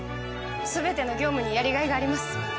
全ての業務にやりがいがあります。